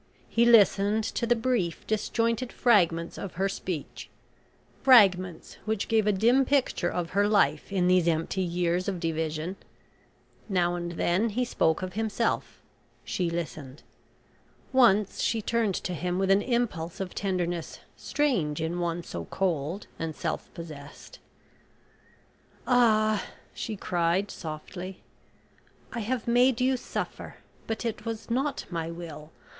He listened to the brief disjointed fragments of her speech fragments which gave a dim picture of her life in these empty years of division. Now and then he spoke of himself. She listened. Once she turned to him with an impulse of tenderness strange in one so cold and self possessed. "Ah!" she cried, softly, "I have made you suffer... but it was not my will...